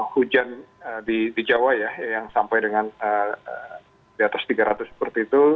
hujan di jawa ya yang sampai dengan di atas tiga ratus seperti itu